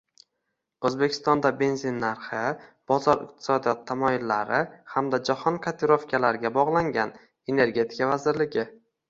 O‘zbekistonda benzin narxi bozor iqtisodiyoti tamoyillari hamda jahon kotirovkalariga bog‘langan — Energetika vazirligi